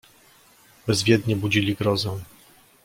"Bezwiednie budzili grozę."